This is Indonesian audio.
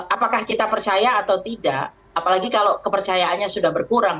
apakah kita percaya atau tidak apalagi kalau kepercayaannya sudah berkurang